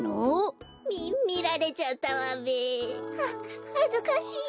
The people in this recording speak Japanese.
みみられちゃったわべ。ははずかしい。